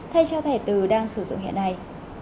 thay cho thẻ từ đang sử dụng hiện nay